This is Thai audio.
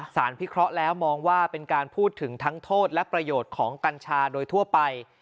พิเคราะห์แล้วมองว่าเป็นการพูดถึงทั้งโทษและประโยชน์ของกัญชาโดยทั่วไป